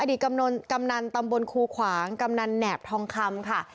กำนันตำบลคูขวางกำนันแหนบทองคำค่ะ